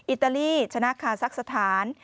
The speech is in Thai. อิตาลีชนะคาซักสถาน